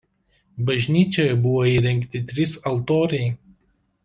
Bažnyčioje buvo įrengti trys altoriai.